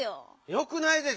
よくないでしょ！